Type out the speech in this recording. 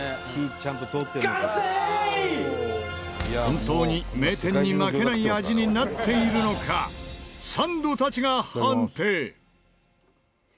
本当に名店に負けない味になっているのかサンドたちが判定。